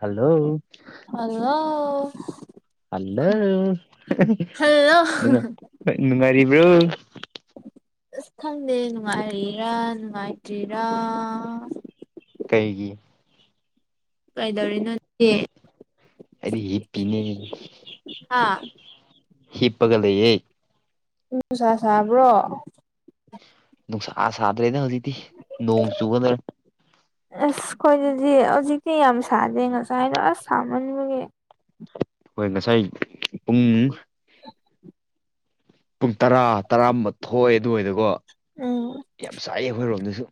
Hello ꯑꯉꯣ hello hello ꯅꯪ ꯅꯨꯡꯉꯥꯏꯔꯤꯕꯔꯣ꯫ ꯑꯁ ꯈꯪꯗꯦ ꯅꯨꯡꯉꯥꯏꯔꯤꯔꯥ ꯅꯨꯡꯉꯥꯏꯇ꯭ꯔꯤꯔꯥ ꯀꯩꯒꯤ ꯀꯩꯗꯧꯔꯤꯅꯣꯠꯇꯦ ꯑꯗꯤ ꯍ ꯄꯅꯦ ꯍꯥꯥ ꯍꯤꯄꯒꯂꯦ ꯎꯅꯨꯡꯁꯥ ꯁꯥꯕ꯭ꯔꯣ ꯅꯨꯡꯁꯥ ꯁꯥꯗ꯭ꯔꯦꯗ ꯍꯧꯖꯤꯛꯇꯤ ꯅꯣꯡ ꯆꯨꯒꯗ꯭ꯔꯦ ꯑꯁ ꯈꯈꯣꯏꯗꯗꯤ ꯍꯧꯖꯤꯛꯇꯤ ꯌꯥꯝ ꯁꯥꯗꯦ ꯉꯁꯥꯏ ꯍꯥꯏꯅꯣ ꯑꯁ ꯊꯃꯟꯕꯒꯤ ꯍꯣꯏ ꯉꯁꯥꯏ ꯄꯨꯡ ꯄꯨꯡ ꯇꯔꯥ ꯇꯔꯥꯊꯣꯏꯑ ꯑꯗꯨꯋꯥꯏꯗꯀꯣ ꯎꯝ ꯌꯥꯝ ꯁꯥꯏꯌꯦ ꯑꯩꯈꯣꯏꯔꯣꯝꯗꯁꯨ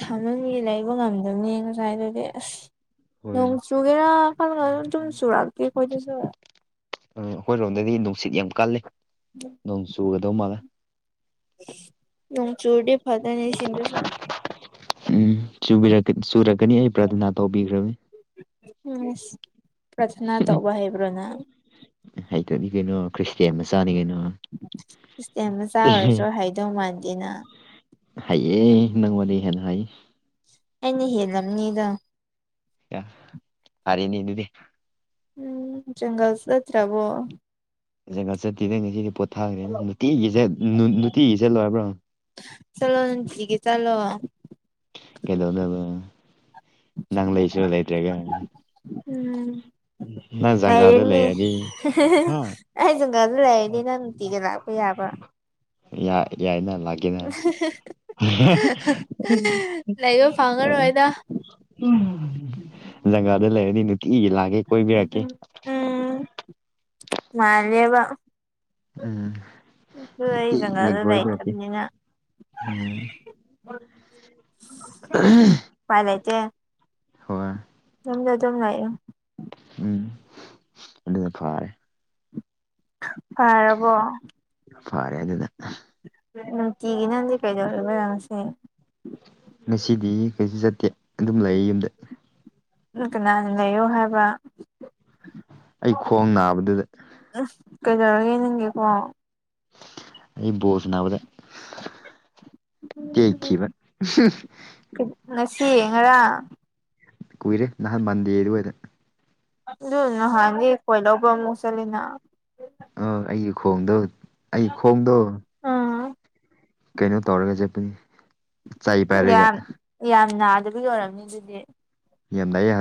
ꯊꯝꯃꯝꯃꯤ ꯂꯩꯕ ꯉꯝꯗꯕꯅꯦ ꯉꯁꯥꯏ ꯑꯗꯨꯗꯤ ꯑꯁ ꯍꯣꯏ ꯅꯣꯡ ꯆꯨꯒꯦꯔꯥꯜ ꯑꯗꯨꯝ ꯆꯨꯔꯀꯦ ꯑꯩꯈꯣꯏꯗꯤꯨꯔꯦ ꯑꯩꯈꯣꯏꯔꯣꯝꯗꯗꯤ ꯅꯨꯡꯁꯤꯠ ꯌꯥꯝ ꯀꯜꯂꯦ ꯎꯝ ꯅꯣꯡ ꯆꯨꯒꯗꯧ ꯃꯥꯜꯂꯦ ꯅꯪ ꯆꯨꯔꯗꯤ ꯐꯠꯇꯅꯦꯁꯤꯗ ꯎꯝ ꯆꯨꯔꯛꯀꯅꯤ ꯑꯩ ꯄ꯭ꯔꯊꯅꯥ ꯇꯧꯕꯤꯈ꯭ꯔꯕꯅꯤ ꯎꯝ ꯄ꯭ꯔꯊꯅꯥ ꯇꯧꯕ ꯍꯩꯕ꯭ꯔꯣꯅ ꯍꯩꯇꯅꯤ ꯀꯩꯅꯣ ꯈ꯭ꯔꯤꯁꯇꯌꯥ ꯃꯆꯥꯅꯤ ꯀꯩꯅꯣ ꯇꯧꯃꯥꯟꯇꯤꯅ ꯍꯩꯌꯦ ꯅꯪ ꯋꯥꯔꯤ ꯍꯦꯟ ꯍꯩ ꯑꯩꯅ ꯍꯦꯜꯂꯝꯅꯤꯗ ꯌꯥ ꯑꯔꯦꯅꯦ ꯗꯨꯗꯤ ꯎꯝ ꯖꯪꯒꯜ ꯆꯠꯇ꯭ꯔꯕꯣ ꯖꯒꯥ ꯆꯠꯇ꯭ꯔꯤꯒꯩ ꯉꯁꯤꯗꯤ ꯄꯣꯠ ꯊꯥꯒ꯭ꯔꯦꯅꯦ ꯅꯨꯇꯤꯒꯤ ꯖꯠ ꯅꯨꯇꯤꯒꯤ ꯆꯠꯂꯣ ꯍꯥꯢꯕ꯭ꯔ ꯆꯠꯂꯣ ꯅꯨꯡꯇꯤꯒꯤ ꯆꯠꯂꯣ ꯀꯩꯗꯧꯅꯕ ꯅꯪ ꯂꯩꯁꯨ ꯂꯩꯇ꯭ꯔꯒꯥ ꯎꯝ ꯅ ꯖꯒꯥꯗꯣ ꯂꯩꯔꯅꯤ ꯑꯩ ꯖꯪꯒꯜ ꯂꯩꯔꯗꯤ ꯅꯪ ꯅꯨꯡꯇꯤꯒꯤ ꯂꯥꯛꯄ ꯌꯥꯕ꯭ꯔꯥ ꯌꯥ ꯌꯥꯏꯅ ꯂꯥꯛ [unintelligible] ꯂꯩꯕ ꯐꯪꯉꯔꯣꯏꯗ ꯂꯪꯒꯥꯗ ꯂꯩꯔꯗꯤ ꯅꯨꯇꯤꯒꯤ ꯂꯥꯛꯒꯦ ꯀꯣꯏꯕꯤꯔꯛꯀꯦ ꯎꯝ ꯎꯝ ꯃꯥꯜꯂꯦꯕ ꯎꯝ ꯑꯗꯨ ꯑꯩ ꯅꯨꯡꯇꯤꯒꯤ ꯖꯪꯒꯜꯗ ꯀꯣꯏꯕꯤꯔꯛꯀꯦ ꯂꯩꯇꯕꯅꯤꯅ ꯎꯝ [unintelligible] ꯄꯥꯏ ꯂꯩꯇꯦ ꯍꯣꯏ ꯌꯨꯝꯗ ꯗꯨꯝ ꯂꯩꯌꯣ ꯎꯝ ꯑꯗꯨꯅ ꯐꯔꯦ ꯐꯔꯕꯣ ꯐꯔꯦ ꯑꯗꯨꯅ ꯅꯨꯡꯇꯤꯒꯤ ꯅꯪꯗꯤ ꯀꯩꯗꯧꯔꯒ ꯁꯦ ꯉꯁꯤꯗꯤ ꯀꯩꯁꯨ ꯆꯠꯇꯦ ꯑꯗꯨꯝ ꯂꯩꯌꯦ ꯌꯨꯝꯗ ꯅꯪ ꯀꯅꯥꯅ ꯂꯩꯌꯣ ꯍꯥꯏꯕ ꯑꯩ ꯈꯣꯡ ꯅꯥꯕꯗꯨꯗ ꯀꯩꯗꯧꯔꯒꯦ ꯅꯪꯒꯤꯀꯣ ꯑꯩ ꯕꯣꯜ ꯁꯅꯥꯕꯗ ꯇꯦꯠꯈꯤꯕ ꯉꯁꯤ ꯉꯔꯥꯡ ꯀꯨꯏꯔꯦ ꯅꯍꯥꯟ ꯃꯟꯗꯦ ꯑꯗꯨꯋꯥꯏꯗ ꯑꯗꯨ ꯅꯍꯥꯟꯗꯤ ꯀꯣꯏ ꯂꯧꯕ ꯑꯃꯨꯛ ꯆꯠꯂꯤꯅ ꯑꯥ ꯑꯩꯒꯤ ꯈꯣꯡꯗꯣ ꯑꯩ ꯈꯣꯡꯗꯣ ꯎꯝ ꯀꯩꯅꯣ ꯇꯧꯔꯒ ꯖꯦꯠꯄꯅꯤ ꯌꯥꯝ ꯌꯥꯝ ꯅꯥꯗꯕꯒꯤ ꯑꯣꯏꯔꯝꯅꯤ ꯑꯗꯨꯗꯤ ꯌꯥꯝ ꯅꯥꯏꯌꯦ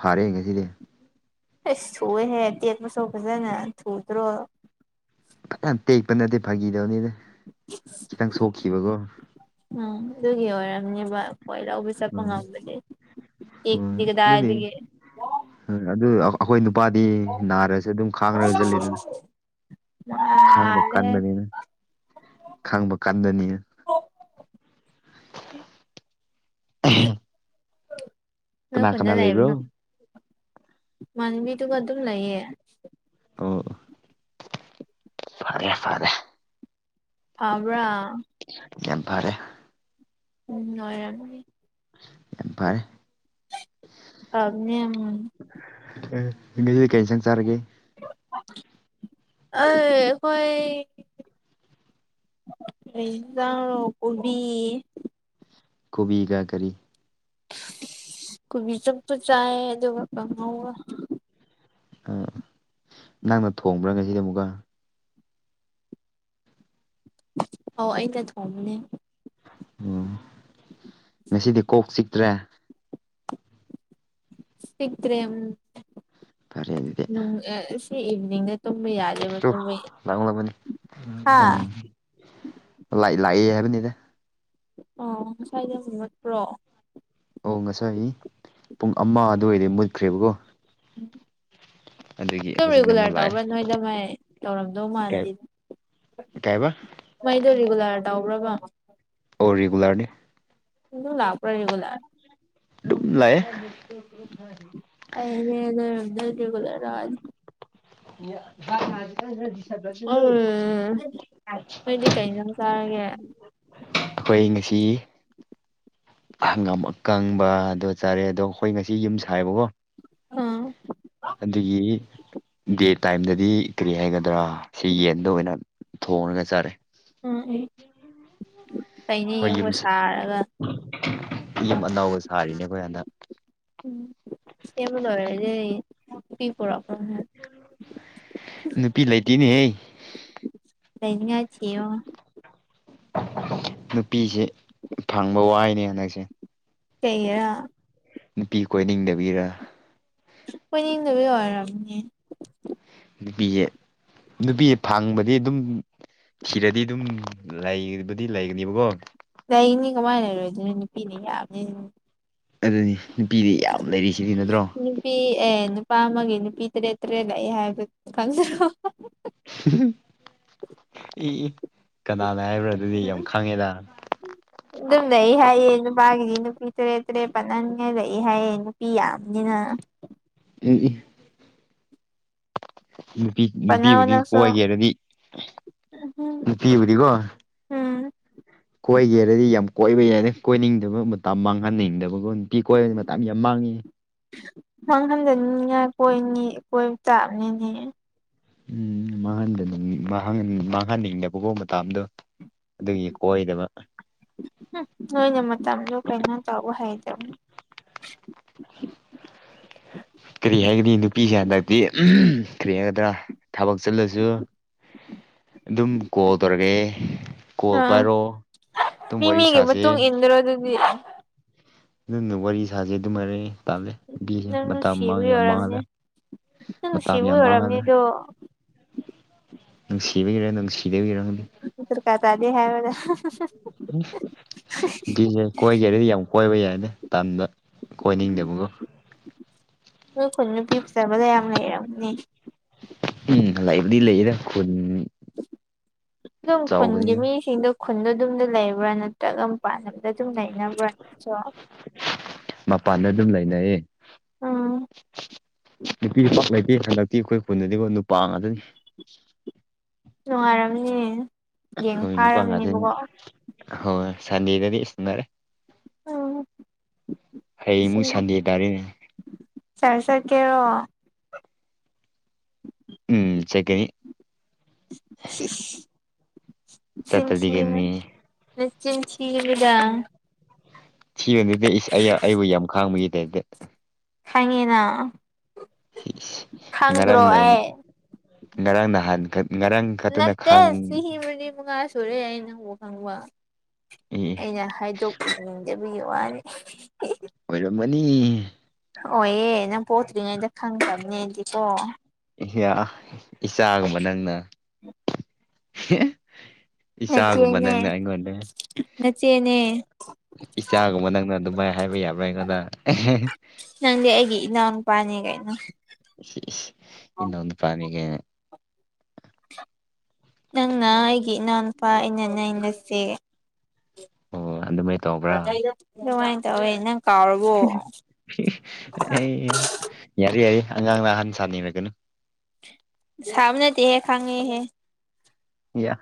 ꯐꯥꯔꯦ ꯉꯁꯤꯗꯤ ꯏꯁ ꯊꯨꯏꯌꯦꯍꯦ ꯇꯦꯛꯄꯁꯨ ꯐꯖꯅ ꯊꯨꯗ꯭ꯔꯣ ꯌꯥꯝ ꯇꯦꯛꯄ ꯅꯠꯇꯦ ꯐꯥꯈꯤꯗꯧꯅꯤꯗ ꯈꯤꯇꯪ ꯁꯣꯛꯈꯤꯕꯀꯣ ꯎꯝ ꯑꯗꯨꯒꯤ ꯑꯣꯏꯔꯝꯅꯦꯕ ꯈꯣꯏ ꯂꯧꯕ ꯆꯠꯄ ꯎꯝ ꯉꯝ [unintelligible] ꯇꯦꯛꯗꯤ ꯀꯗꯥꯏꯗꯒꯤ ꯎꯝ ꯑꯗꯨ ꯑꯩꯈꯣꯏ ꯅꯨꯄꯥꯗꯤ ꯅꯥꯔꯁꯨ ꯑꯗꯨꯝ ꯈꯥꯡꯔꯖꯜꯂꯤꯗꯨꯗꯤ ꯈꯥꯡꯕ ꯅꯥꯜꯂꯦꯍꯦ ꯀꯟꯕꯅꯤꯅ ꯈꯥꯡꯕ ꯀꯟꯗꯅꯤꯅ [unintelligible] ꯅꯣꯏ ꯀꯅꯥ ꯈꯨꯟꯗ ꯀꯅꯥ ꯂꯩꯕ꯭ꯔꯣ ꯂꯩꯕꯅꯨ ꯏꯃꯥꯟꯅꯕꯤꯗꯨꯒ ꯑꯗꯨꯝ ꯂꯩꯌꯦ ꯑꯣ ꯐꯔꯦ ꯐꯔꯦ ꯐꯕ꯭ꯔꯥ ꯌꯥꯝ ꯐꯔꯦ ꯎꯝ ꯅꯣꯏꯔꯝꯅꯤ ꯌꯥꯝ ꯐꯔꯦ ꯐꯕꯅꯦ ꯌꯥꯝꯅ ꯑꯦ ꯉꯁꯤ ꯀꯩ ꯍꯦꯟꯖꯥꯡ ꯆꯥꯔꯒꯦ ꯑꯩ ꯑꯈꯣꯏ [unintelligible] ꯀꯣꯕꯤ ꯀꯣꯕꯤꯒ ꯀꯔꯤ ꯀꯨꯕꯤ ꯆꯕꯨꯠ ꯆꯥꯏꯌꯦ ꯑꯗꯨꯒ ꯀꯥꯡꯍꯧꯒ ꯑꯥ ꯅꯪꯅ ꯊꯣꯡꯕ꯭ꯔꯥ ꯉꯁꯤꯗꯤ ꯑꯃꯨꯛꯀ ꯑꯣ ꯑꯩꯩꯅ ꯊꯣꯡꯕꯅꯦ ꯎꯝ ꯉꯁꯤꯗꯤ ꯀꯣꯛ ꯆꯤꯛꯇ꯭ꯔꯦ ꯆꯤꯛꯇ꯭ꯔꯦ ꯐꯔꯦ ꯑꯗꯨꯗꯤ ꯅꯨꯡ-ꯑ-ꯁꯤ ꯏꯚꯤꯅꯤꯡꯗ ꯇꯨꯃꯤ ꯌꯥꯗꯦꯕ ꯇꯨ ꯂꯥꯡꯂꯕꯅꯤ [unintelligible] ꯍꯥ ꯂ-ꯂꯥꯛꯏ ꯍꯥꯏꯕꯅꯤꯗ ꯑ ꯉꯁ꯭ꯋꯥꯏꯗ ꯑꯃꯨꯛ ꯃꯨꯄ꯭ꯔꯣ ꯑꯣ ꯉꯁꯥꯏ ꯄꯨꯡ ꯑꯃ ꯑꯗꯨꯋꯥꯏꯗ ꯃꯨꯠꯈ꯭ꯔꯦꯕꯀꯣ ꯎꯝ ꯑꯗꯨꯒꯤ ꯑꯗꯨꯝ ꯍꯧꯖꯤꯛꯅ ꯑꯃꯨꯛ ꯔꯤꯒꯨꯂꯔ ꯇꯧꯕ꯭ꯔꯥ ꯅꯣꯏꯗꯣ ꯃꯥꯏ ꯇꯧꯔꯝꯗꯧ ꯃꯥꯟꯗꯦ ꯀꯩꯑꯕ? ꯅꯣꯏꯗꯣ ꯔꯤꯒꯨꯂꯔ ꯇꯧꯕ꯭ꯔꯕ? ꯑꯣ ꯔꯤꯒꯨꯂꯔꯅꯤ꯫ ꯑꯗꯨꯝ ꯂꯥꯛꯄꯔ ꯔꯤꯒꯨꯂꯔ ꯗꯨꯝ-ꯂꯥꯛ ꯑ꯫ [inaudible] ꯑꯩꯅꯦ ꯅꯣꯏꯔꯣꯝꯗ ꯔꯤꯒꯨꯂꯔ ꯂꯥꯛꯑꯅꯤ꯫ [inaudible] ꯎꯝ ꯅꯣꯏꯗꯤ ꯀꯩ ꯏꯟꯖꯥꯡ ꯆꯥꯔꯒꯦ ꯑꯥ [unintelligible] ꯑꯩꯈꯣꯏ ꯉꯁꯤ ꯍꯪꯒꯥꯝ ꯑꯀꯪꯕ ꯑꯗꯣ ꯆꯥꯔꯦ ꯑꯗꯣ ꯑꯩꯈꯣꯏ ꯉꯁꯤ ꯌꯨꯝ ꯁꯥꯏꯕꯀꯣ ꯑꯗꯨꯒꯤ ꯗꯦꯠ ꯇꯥꯏꯝꯗꯗꯤ ꯀꯔꯤ ꯍꯥꯏꯒꯗ꯭ꯔꯥ ꯁꯤ ꯌꯦꯟꯗꯣ ꯑꯣꯏꯅ ꯊꯣꯡꯉꯒ ꯆꯥꯔꯦ꯫ ꯎꯝ ꯑ ꯐꯩꯅꯤ ꯍꯣꯏ ꯌꯨꯝꯒ ꯌꯨꯝ ꯁꯥꯔꯒ꯫ ꯌꯨꯝ ꯑꯅꯧꯕ ꯁꯥꯔꯤꯅꯦ ꯑꯩꯈꯣꯏ ꯍꯟꯗꯛ꯫ ꯎꯝ ꯁꯦꯝꯕ ꯂꯣꯏꯔꯗꯤ ꯅꯨꯄꯤ ꯄꯨꯔꯛ ꯅꯨꯄꯤ ꯂꯩꯇꯦꯅꯦꯍꯦ꯫ ꯂꯩꯅꯤꯉꯥꯏ ꯊꯤꯌꯣ꯫ ꯅꯨꯄꯤꯁꯦ ꯐꯪꯕ ꯋꯥꯏꯅꯦ ꯍꯟꯗꯛꯁꯦ꯫ ꯀꯩꯒꯤꯔ? ꯅꯨꯄꯤ ꯀꯣꯏꯅꯤꯡꯗꯕꯒꯤꯔ? ꯀꯣꯏꯅꯤꯡꯗꯕꯩ ꯑꯣꯏꯔꯝꯅꯤꯌꯦ꯫ ꯅꯨꯄꯤꯁꯦ-ꯅꯨꯄꯤꯁꯦ ꯐꯥꯡꯕꯗꯤ ꯑꯗꯨꯝ ꯊꯤꯔꯗꯤ ꯑꯗꯨꯝ ꯂꯩꯕꯗꯤ ꯂꯩꯒꯅꯤꯕꯀꯣ ꯂꯩꯅꯤ ꯀꯃꯥꯏꯅ ꯂꯩꯔꯣꯏꯗꯣꯏꯅꯣ ꯅꯨꯄꯤꯅꯦ ꯌꯥꯕꯅꯤꯅ꯫ ꯑꯗꯨꯅꯤ ꯅꯨꯄꯤꯗꯤ ꯌꯥꯝ ꯂꯩꯔꯤꯁꯤꯗꯤ ꯅꯠꯇ꯭ꯔꯣ꯫ ꯅꯨꯄꯤ ꯑꯦ ꯅꯨꯄꯥ ꯑꯃꯒꯤ ꯅꯨꯄꯤ ꯇꯔꯦꯠ-ꯇꯔꯦꯠ ꯂꯥꯛꯑꯦ ꯍꯥꯏꯕꯗꯨ ꯈꯪꯗ꯭ꯔꯣ꯫ ꯏ ꯀꯅꯥꯅ ꯍꯥꯏꯕ꯭ꯔꯥ ꯑꯗꯨꯗꯤ ꯌꯥꯝ ꯈꯪꯉꯦꯗ꯫ [inaudible] ꯑꯗꯨꯝ ꯂꯩ ꯍꯥꯏꯌꯦ ꯅꯨꯄꯥꯒꯤꯗꯤ ꯅꯨꯄꯤ ꯇꯔꯦꯠ-ꯇꯔꯦꯠ ꯄꯟꯅꯉꯩ ꯂꯩ ꯍꯥꯏꯌꯦ ꯅꯨꯄꯤ ꯌꯥꯝꯅꯤꯅ꯫ ꯏ- ꯢ ꯄꯥꯠꯅꯧ ꯅꯨꯄꯤ-ꯅꯨꯄꯤꯕꯨꯗꯤ ꯅꯪꯁꯨ ꯀꯣꯏꯒꯦꯔꯗꯤ ꯅꯨꯄꯤꯕꯨꯗꯤꯀꯣ ꯎꯝ ꯀꯣꯏꯒꯦꯔꯗꯤ ꯌꯥꯝ ꯀꯣꯏꯕ ꯌꯥꯔꯦ ꯀꯣꯏꯅꯤꯡꯗꯕ ꯃꯇꯝ ꯃꯥꯡꯍꯟꯅꯤꯡꯗꯕꯀꯣ꯫ ꯅꯨꯄꯤ ꯀꯣꯏꯔꯗꯤ ꯃꯇꯝ ꯌꯥꯝ ꯃꯥꯡꯉꯤ꯫ ꯃꯥꯡ ꯍꯟꯗꯅꯤꯡꯅꯤꯡꯉꯥꯏ ꯀꯣꯏꯅꯤ ꯀꯣꯏꯕ ꯇꯥꯕꯅꯤꯅꯦ꯫ ꯎꯝ ꯃꯥꯡꯍꯟꯗꯅ-ꯃꯥꯡꯍꯟꯅꯤꯡꯗꯕꯀꯣ ꯃꯇꯥꯝꯗꯣ꯫ ꯑꯗꯨꯒꯤ ꯀꯣꯏꯗꯕ ꯅꯣꯏꯅ ꯃꯇꯝꯗꯣ ꯀꯩꯅꯣ ꯇꯧꯕ ꯍꯩꯇꯕꯅꯤ ꯀꯔꯤ ꯍꯥꯏꯒꯅꯤ ꯅꯨꯄꯤꯁꯦ ꯍꯟꯗꯛꯇꯤ ꯀꯔꯤ ꯍꯥꯏꯒꯗ꯭ꯔꯥ ꯊꯕꯛ ꯆꯠꯂꯁꯨ ꯑꯗꯨꯝ ꯀꯣꯜ ꯇꯧꯔꯛꯀꯦ ꯀꯣꯜ ꯑꯥ ꯄꯥꯏꯔꯣ ꯑꯗꯨꯝ ꯋꯥꯔꯤ ꯁꯥꯁꯦ ꯆꯠꯂꯣ ꯑꯗꯨꯗꯤ ꯑꯗꯨꯅ ꯋꯥꯔꯤ ꯁꯥꯥꯁꯦ ꯑꯗꯨꯝ ꯍꯥꯏꯔꯛꯑꯦ ꯇꯜꯂꯦ ꯅꯨꯕꯤꯁꯦ ꯅꯪ ꯃꯇꯝ ꯃꯥꯡ ꯅꯨꯡꯁꯤꯕꯒꯤ ꯌꯥꯝ ꯑꯣꯏꯔꯝꯅꯤ ꯃꯥꯡꯂꯦ ꯃꯇꯝ ꯌꯥꯝ ꯃꯥꯡꯍꯟꯂꯦ ꯑꯣ ꯅꯨꯡꯁꯤꯕꯤꯒꯤꯔ ꯅꯨꯡꯁꯤ ꯗꯕꯩꯔ ꯈꯪꯗꯦ ꯗꯔꯀꯥꯔ ꯇꯥꯗꯦ ꯍꯥꯏꯌꯨꯗ [unintelligible] ꯅꯨꯄꯤꯁꯦ ꯀꯣꯏꯒꯦ ꯍꯥꯏꯔꯗꯤ ꯌꯥꯝ ꯀꯣꯏꯕ ꯌꯥꯏꯗ ꯇꯟꯕ ꯀꯣꯏꯅꯤꯡꯗꯕꯒꯣ ꯅꯣꯏ ꯈꯨꯟ ꯅꯨꯄꯤ ꯐꯖꯕ ꯌꯥꯝ ꯂꯩꯔꯝꯒꯅꯤ ꯎꯝ ꯂꯩꯕꯗꯤ ꯂꯩꯌꯦꯗ ꯈꯨꯟ ꯑꯗꯨꯝ ꯈꯨꯟꯒꯤ ꯆꯥꯎꯕꯅꯤꯅ ꯃꯤꯁꯤꯡꯗꯣ ꯈꯨꯟꯗ ꯑꯗꯨꯝꯗ ꯂꯩꯕ꯭ꯔꯥ ꯅꯠ [unintelligible] ꯄꯥꯟꯗ ꯑꯗꯨꯝ ꯂꯩꯅꯕ꯭ꯔꯥ ꯅꯪꯁꯨ ꯃꯄꯥꯟꯗ ꯑꯗꯨꯝ ꯂꯩꯅꯩꯌꯦ ꯅꯨꯄꯤ ꯄꯥꯛ ꯂꯩꯇꯦ ꯍꯟꯗꯛꯇꯤ ꯑꯩꯈꯣꯏ ꯈꯨꯟꯗꯗꯤꯀꯣ ꯅꯨꯄꯥ ꯉꯥꯛꯇꯅꯤ ꯅꯨꯡꯉꯥꯏꯔꯝꯅꯤ ꯌꯦꯡ ꯍꯣꯏ ꯅꯨꯄꯥ ꯉꯥꯠꯇꯅꯤꯅ ꯐꯥꯔꯝꯅꯤꯕꯀꯣ ꯍꯣꯏ ꯁꯟꯗꯦꯗꯗꯤ ꯏꯁ ꯎꯅꯔꯦ ꯎꯝ ꯍꯌꯦꯡ ꯃꯨꯛ ꯁꯟꯗꯦ ꯇꯥꯔꯦꯅꯦ ꯆꯥꯔꯁ ꯆꯠꯀꯦꯔꯣ ꯎꯝ ꯆꯠꯀꯅꯤ ꯆꯤꯟ ꯆꯠꯇ꯭ꯔꯗꯤ ꯊꯤꯒꯅꯨ ꯀꯩꯅꯣꯅꯦ ꯅꯆꯤꯟ ꯊꯤꯒꯅꯨꯗ ꯊꯤꯔꯅꯨꯗ ꯏꯁ ꯑꯩꯕꯨ ꯌꯥꯝ ꯈꯥꯡꯕꯒꯤ ꯇꯥꯏꯞꯗ ꯈꯪꯉꯤꯅ [unintelligible] ꯈꯪꯗ꯭ꯔꯣ ꯉꯔꯥꯡꯅ ꯑꯩ ꯉꯔꯥꯡ ꯅꯍꯥꯟ ꯉꯔꯥꯡ ꯈꯛꯇꯅ ꯅꯠꯇꯦ ꯈꯪ ꯆꯍꯤ ꯃꯔꯤ ꯃꯉꯥ ꯀꯨꯏꯔꯦ ꯑꯩ ꯅꯪꯕꯨ ꯈꯪꯕ ꯑꯩꯅ ꯍꯥꯏꯗꯣꯛ ꯈꯪꯗꯕꯒꯤ ꯋꯥꯅꯤ ꯑꯣꯏꯔꯝꯃꯅꯤ ꯑꯣꯌꯦ ꯅꯪ ꯄꯣꯛꯇ꯭ꯔꯤꯉꯩꯗ ꯈꯪꯈ꯭ꯔꯕꯅꯦ ꯑꯩꯗꯤꯀꯣ ꯌꯥ ꯏꯆꯥꯒꯨꯝꯕ ꯅꯪꯅ ꯏꯆꯥꯒꯨꯝꯕ ꯅꯆꯦꯅꯦ ꯅꯪꯅ ꯑꯩꯉꯣꯟꯗ [unintelligible] ꯏꯆꯥꯒꯨꯝꯕ ꯅꯪꯅ ꯑꯗꯨꯃꯥꯏꯅ ꯍꯥꯏꯕ ꯌꯥꯕ꯭ꯔꯥ ꯑꯩꯉꯣꯟꯗ ꯅꯪꯗꯤ ꯑꯩꯒꯤ ꯏꯅꯥꯎ ꯅꯨꯄꯥꯅꯦ ꯀꯩꯅꯣ ꯏꯅꯥꯎ ꯅꯨꯄꯥꯅꯦ ꯒꯥꯏꯅ ꯅꯪꯅ ꯑꯩꯒꯤ ꯏꯅꯥꯎꯅꯨꯄꯥ ꯑꯩꯅ ꯅꯪ ꯅꯆꯦ ꯑꯣ ꯑꯗꯨꯃꯥꯏꯅ ꯇꯧꯕ꯭ꯔꯥ ꯗꯨꯃꯥꯏꯅ ꯇꯧꯋꯦ ꯅꯪ ꯀꯥꯎꯔꯕꯣ [unintelligible] ꯌꯥꯔꯦ ꯌꯥꯔꯦ ꯑꯉꯥꯡꯅ ꯑꯍꯟ ꯁꯥꯅꯤꯡꯔꯒꯅꯨ ꯁꯥꯕ ꯅꯠꯇꯦꯍꯦ ꯈꯪꯉꯦꯍꯦ ꯌꯥ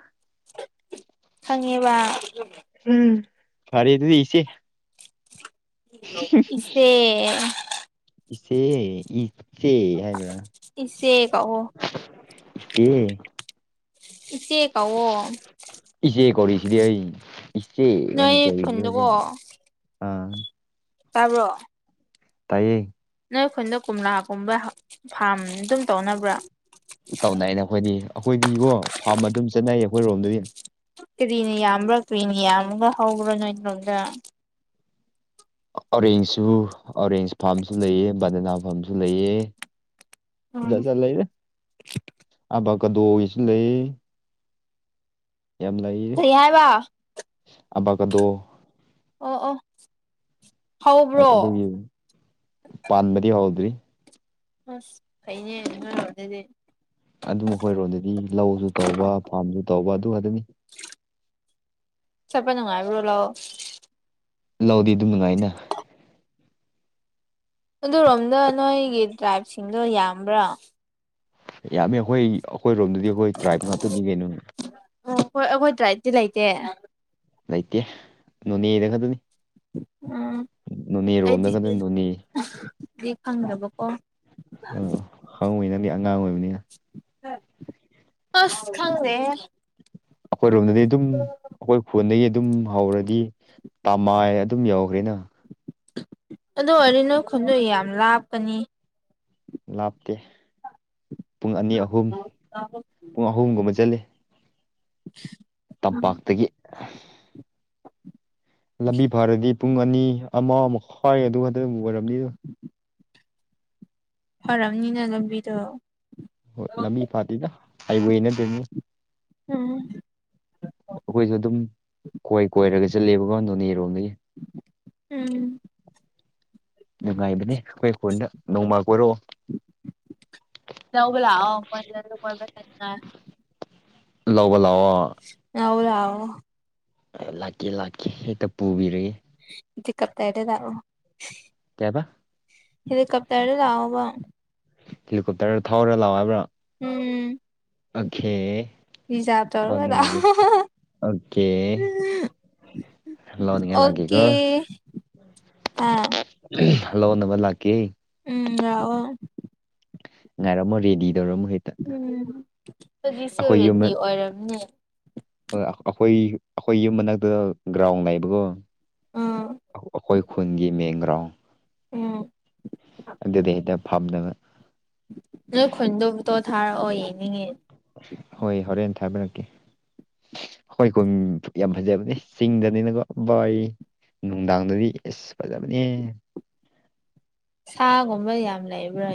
ꯈꯪꯉꯦꯕ ꯎꯝ ꯐꯔꯦ ꯑꯗꯨꯗꯤ ꯏꯆꯦ ꯏꯆꯦ ꯏꯆꯦ ꯏ ꯏꯆꯦ ꯍꯥꯏꯕ꯭ꯔꯥ ꯏꯆꯦ ꯀꯧꯋꯣ ꯏꯆꯦ ꯏꯆꯦ ꯀꯋꯣ ꯏꯆꯦ ꯀꯧꯔꯤꯁꯤꯗꯤ ꯑꯩ ꯏꯆꯦ ꯍꯥꯏꯅ ꯅꯣꯏ ꯀꯧꯔꯤꯁꯤꯗꯤ ꯈꯨꯟꯗꯀꯣ ꯍꯨꯖꯤꯛ ꯑꯥ ꯇꯥꯕ꯭ꯔꫭ ꯇꯥꯏꯌꯦ ꯅꯣꯏ ꯑꯩꯈꯣꯏꯗ ꯀꯣꯝꯂꯥꯒꯨꯝꯕ ꯐꯥꯝ ꯑꯗꯨꯝ ꯇꯧꯅꯕ꯭ꯔꯥ ꯇꯧꯅꯩꯅ ꯑꯩꯈꯣꯏꯗꯤ ꯑꯩꯈꯣꯏꯗꯤꯀꯣ ꯐꯥꯔꯝ ꯑꯗꯨꯝ ꯆꯠꯅꯩꯌꯦ ꯑꯩꯈꯣꯏ ꯔꯣꯝꯗꯗꯤ ꯀ꯭ꯔꯤꯅ ꯌꯥꯝꯕ꯭ꯔꯥ ꯀ꯭ꯔꯤꯅ ꯌꯥꯝꯃꯒ ꯍꯧꯧꯕ꯭ꯔꯣ ꯅꯣꯏꯉꯣꯝꯗ ꯑꯣꯔꯦꯟꯖꯁꯨ ꯑꯣꯔꯦꯟꯖ ꯐꯥꯔꯝꯁꯨ ꯂꯩꯑ ꯕꯟꯗꯅꯥ ꯐꯥꯝꯁꯨ ꯂꯩꯑꯦ ꯎꯝ ꯖꯥꯠ ꯖꯥꯠ ꯂꯩꯔꯦ ꯑꯕ ꯀꯗꯣꯒꯤꯁꯨ ꯂꯩ ꯌꯥꯝ ꯂꯩ ꯀꯔꯤ ꯍꯥꯏꯕ ꯑꯕꯥꯒꯗꯣ ꯑꯣ ꯑꯣ ꯍꯧꯕ꯭ꯔꯣ ꯑꯗꯨꯒꯤ ꯄꯥꯟꯕꯗꯤ ꯍꯧꯗ꯭ꯔꯤ ꯑꯁ ꯐꯥꯏꯅꯦ [unintelligible] ꯑꯗꯨ ꯑꯈꯣꯏꯔꯣꯗꯗꯤ ꯂꯧꯁꯨ ꯇꯧꯕ ꯐꯥꯝꯁꯨ ꯇꯧꯕ ꯑꯗꯨ ꯑꯗꯨ ꯑꯗꯨꯅꯤ ꯆꯄ ꯅꯨꯡꯉꯥꯏꯕ꯭ꯔꯣ ꯂꯧ ꯂꯧꯗꯤ ꯑꯗꯨꯝ ꯅꯨꯡꯉꯥꯏꯅ ꯑꯗꯨꯔꯣꯝꯗ ꯅꯣꯏꯒꯤ ꯇꯔꯥꯏꯕꯁꯤꯡꯗꯣ ꯌꯥꯝꯕ꯭ꯔꯥ ꯌꯥꯝꯃꯦ ꯑꯩꯈꯣꯏ ꯑꯩꯈꯣꯏꯔꯣꯝꯗꯗꯤ ꯑꯩꯈꯣꯏ ꯇ꯭ꯔꯥꯏꯞ ꯉꯥꯛꯇꯅꯤ ꯀꯩꯅꯣꯅꯦ ꯑꯣ ꯑꯈꯣꯏ ꯑꯩꯈꯣꯏ ꯇ꯭ꯔꯥꯏꯕꯗꯤ ꯂꯩꯇꯦ ꯂꯩꯇꯦ ꯅꯣꯅꯦꯗ ꯈꯛꯇꯅꯤ ꯎꯝ ꯅꯣꯅꯦꯔꯣꯝꯗ ꯈꯛꯇ ꯑꯩꯗꯤꯗꯤ ꯅꯣꯅꯦ ꯐꯪꯗꯕꯀꯣ ꯈꯪꯉꯣꯏ ꯅꯪꯗꯤ ꯑꯉꯥꯡ ꯑꯣꯏꯕꯅꯤꯅ ꯑꯁ ꯈꯪꯗꯦꯍꯦ ꯑꯩꯈꯣꯏꯔꯣꯝꯗꯗꯤ ꯑꯗꯨꯝ ꯑꯩꯈꯣꯏ ꯈꯨꯣꯟꯗꯒꯤ ꯑꯗꯨꯝ ꯍꯧꯔꯗꯤ ꯇꯝꯃꯥꯏ ꯑꯗꯨꯝ ꯌꯥꯎꯈ꯭ꯔꯦꯅ ꯑꯗꯨ ꯑꯣꯏꯔꯗꯤ ꯅꯣꯏ ꯈꯨꯟꯗꯣ ꯌꯥꯝ ꯂꯥꯞꯄꯅꯤ ꯂꯥꯞꯇꯦ ꯄꯨꯡ ꯑꯅꯤ ꯑꯍꯨꯝ ꯄꯨꯡ ꯑꯍꯨꯝꯒꯨꯝꯕ ꯆꯜꯂꯤ [unintelligible] ꯇꯝꯄꯥꯛꯇꯒꯤ ꯂꯝꯕꯤ ꯐꯥꯔꯗꯤ ꯄꯨꯡ ꯑꯅꯤ ꯑꯃ ꯃꯈꯥꯏ ꯑꯗꯨ ꯈꯛꯇ ꯑꯣꯏꯔꯝꯅꯤ ꯐꯔꯝꯅꯤꯅ ꯂꯝꯕꯤꯗꯣ ꯍꯣꯏ ꯂꯝꯕꯤ ꯐꯥꯗꯦꯗ ꯍꯥꯏꯋꯦꯅꯠꯇꯝꯅꯤ ꯎꯝ ꯑꯩꯈꯣꯏꯁꯨ ꯑꯗꯨꯝ ꯈꯣꯏ ꯀꯣꯏꯔꯒ ꯆꯠꯂꯦꯕꯀꯤ ꯅꯣꯅꯦ ꯔꯣꯝꯗꯒꯤ ꯎꯝ ꯅꯨꯡꯉꯥꯏꯕꯅꯦ ꯑꯩꯈꯣꯏ ꯈꯣꯟꯗ ꯅꯣꯡꯃ ꯀꯣꯔꯛꯑꯣ ꯂꯧꯕ ꯂꯛꯑꯣ [unintelligible] ꯀꯣꯏꯕꯥ ꯆꯠꯅꯤꯉꯥꯏ ꯂꯧꯕ ꯂꯥꯛꯑꯣ ꯂꯧꯕ ꯂꯛꯑꯣ ꯂꯥꯛꯀꯦ ꯂꯥꯛꯀꯦ ꯍꯦꯛꯇ ꯄꯨꯕꯤꯔꯒꯦ ꯗꯤꯀꯞꯇꯔꯗ ꯂꯥꯛꯑꯣ ꯀꯩ ꯍꯥꯏꯕ ꯍꯤꯂꯤꯀꯞꯇꯔ ꯂꯛꯑꯣ ꯕꯥ ꯍꯦꯂꯤꯀꯣꯞꯇꯔ ꯊꯥꯎꯔ ꯂꯥꯛꯑꯣꯏꯕ꯭ꯔꯥ ꯎꯝ ꯑꯣꯀꯦ ꯊꯧꯍꯟꯒꯦ ꯂꯥꯛꯀꯦ ꯑꯣꯀꯦ [unintelligible] ꯂꯧꯅꯤꯡꯉꯥꯏ ꯑꯣꯀꯦ ꯂꯥꯛꯀꯦꯀꯣ ꯍꯥ ꯂꯣꯅꯕ ꯂꯛꯀꯦ ꯎꯝ ꯂꯛꯑꯣ ꯉꯥꯏꯔꯝꯃꯣ ꯔꯦꯗꯤ ꯇꯧꯔꯝꯃ ꯍꯦꯠ ꯎꯝ ꯍꯧꯖꯤꯛꯁꯨ ꯔꯦꯗꯤ ꯑꯣꯏꯔꯝꯅꯦ ꯍꯣꯏ ꯑꯩꯈꯣꯏ ꯑꯩꯈꯣꯏ ꯌꯨꯝ ꯃꯅꯥꯛꯇ ꯒ꯭ꯔꯥꯎꯟ ꯂꯩꯕꯀꯣ ꯎꯝ ꯑꯩꯈꯣꯏ ꯈꯨꯟꯒꯤ ꯃꯦꯟꯒ꯭ꯔꯥꯎꯟ ꯎꯝ ꯑꯗꯨꯗ ꯍꯦꯛꯇ ꯐꯝꯅꯕ ꯅꯣꯏ ꯈꯨꯟꯗꯨ ꯐꯨꯇꯣ ꯊꯥꯔꯛꯑꯣ ꯌꯦꯡꯅꯤꯡꯉꯦ ꯍꯣꯏ ꯍꯣꯔꯦꯟ ꯊꯥꯕꯤꯔꯛꯀꯦ ꯍꯣꯏ ꯀꯨꯝ ꯌꯥꯝ ꯐꯖꯕꯅꯦ ꯆꯤꯡꯗꯅꯤꯅꯀꯣ ꯕꯥꯏ ꯅꯨꯡꯗꯥꯡꯗꯗꯤ ꯏꯁ ꯐꯖꯕꯅꯦꯍꯦ ꯁꯥꯒꯨꯝꯕ ꯌꯥꯝ ꯂꯩꯕ꯭ꯔꯥ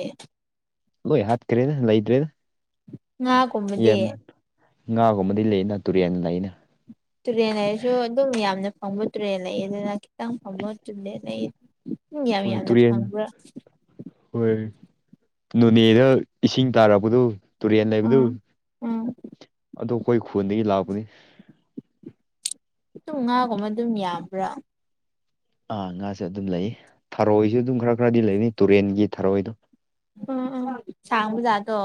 ꯂꯣꯏ ꯍꯥꯠꯈ꯭ꯔꯦꯗ ꯂꯩꯇ꯭ꯔꯦꯗ ꯉꯥ ꯌꯦꯝ ꯉꯥꯒꯨꯝꯕꯗꯤ ꯂꯩꯌꯦꯅ ꯇꯨꯔꯦꯟ ꯂꯩꯅ ꯇꯨꯔꯦꯜ ꯂꯩꯔꯁꯨ ꯑꯗꯨꯝ ꯌꯥꯝꯅ ꯐꯪꯕ ꯇꯨꯔꯦꯜ ꯂꯩꯌꯦ ꯑꯗꯨꯅ ꯈꯤꯇꯪ ꯐꯪꯕ ꯇꯨꯔꯦꯜ ꯂꯩ ꯎꯝ ꯌꯥꯝ ꯍꯣꯏ ꯌꯥꯝꯅ ꯇꯨꯔꯦꯟ ꯐꯪꯕ꯭ꯔꯥ ꯍꯣꯏ ꯅꯣꯅꯦꯗ ꯏꯁꯤꯡ ꯇꯥꯔꯛꯄꯗꯨ ꯇꯨꯔꯦꯟ ꯂꯩꯕꯗꯨ ꯎꯝ ꯎꯝ ꯑꯗꯨ ꯑꯩꯈꯣꯏ ꯈꯨꯟꯗꯒꯤ ꯂꯥꯛꯄꯅꯤ ꯑꯗꯨꯝ ꯉꯥꯒꯨꯝꯕ ꯑꯗꯨꯝ ꯌꯥꯝꯕ꯭ꯔꯥ ꯑꯥ ꯉꯥꯁꯦ ꯑꯗꯨꯝ ꯂꯩ ꯊꯔꯣꯏꯁꯨ ꯑꯗꯨꯝ ꯈꯔ ꯈꯔꯗꯤ ꯂꯩꯅꯤ ꯇꯨꯔꯦꯟꯒꯤ ꯊꯔꯣꯏꯗꯣ ꯑꯥ ꯑꯥ ꯁꯥꯡꯕ ꯖꯥꯠꯇꯣ